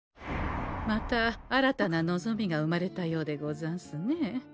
また新たな望みが生まれたようでござんすね？